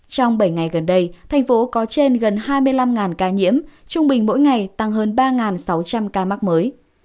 trong bảy ngày gần đây thành phố có trên gần hai mươi năm ca nhiễm trung bình mỗi ngày tăng hơn ba sáu trăm linh ca mắc mới